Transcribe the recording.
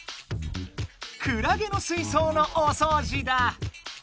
クラゲの水そうのおそうじだ。